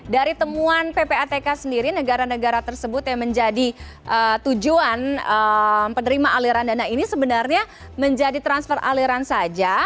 dari temuan ppatk sendiri negara negara tersebut yang menjadi tujuan penerima aliran dana ini sebenarnya menjadi transfer aliran saja